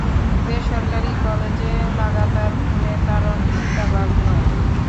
বেসরকারি কলেজে লাগাতার খুনের কারণ চিতাবাঘ নয়।